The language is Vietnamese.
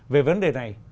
về vấn đề này